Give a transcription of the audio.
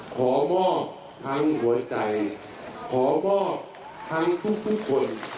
ขอมอบทั้งหัวใจขอมอบทั้งทุกคน